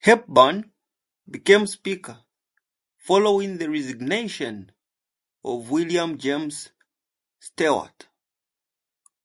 Hepburn became speaker following the resignation of William James Stewart.